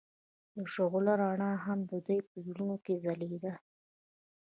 د شعله رڼا هم د دوی په زړونو کې ځلېده.